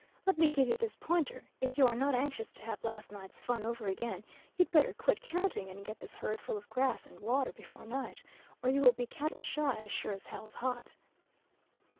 Let me give you this pointer: if you are not anxious to have last night's fun over again, you'd better quit counting and get this herd full of grass and water before night, or you will be cattle shy as sure as hell's hot.'